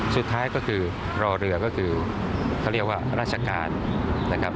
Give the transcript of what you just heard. สุดท้ายก็คือรอเรือก็คือเขาเรียกว่าราชการนะครับ